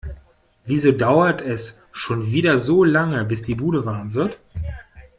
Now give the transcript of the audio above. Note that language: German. Wieso dauert es schon wieder so lange, bis die Bude warm wird?